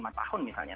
lima tahun misalnya